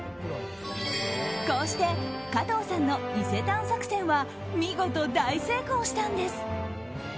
こうして加藤さんの伊勢丹作戦は見事、大成功したんです。